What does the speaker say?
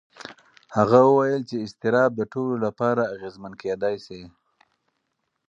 هغه وویل چې اضطراب د ټولو لپاره اغېزمن کېدای شي.